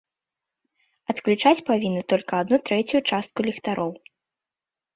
Адключаць павінны толькі адну трэцюю частку ліхтароў.